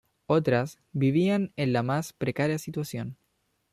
Otras, vivían en la más precaria situación.